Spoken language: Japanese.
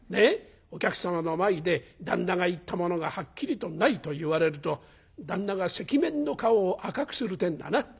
お客様の前で旦那が言ったものがはっきりとないと言われると旦那が赤面の顔を赤くするってんだな。